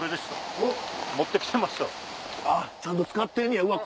あっちゃんと使ってんねやうわ